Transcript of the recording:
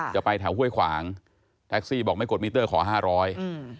จะไปแถวห้วยขวางแท็กซี่บอกไม่กดมิเตอร์ขอห้าร้อยอืม